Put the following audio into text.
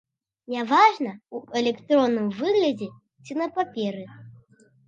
Няважна, у электронным выглядзе ці на паперы.